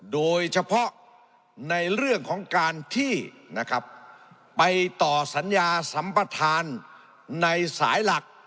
โดยเฉพาะในเรื่องของการที่นะครับไปต่อสัญญาสัมปทานในสายหลัก